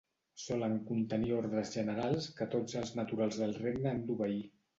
Solen contenir ordres generals que tots els naturals del regne han d'obeir.